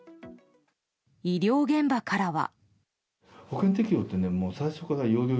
医療現場からは。